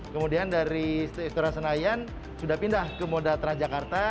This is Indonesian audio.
kemudian dari istora senayan sudah pindah ke moda transjakarta